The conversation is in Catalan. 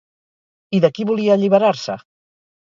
I de qui volia alliberar-se?